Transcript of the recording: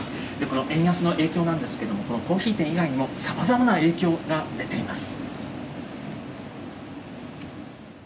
この円安の影響なんですけれども、このコーヒー店以外にも、さまざまな影響が出ています。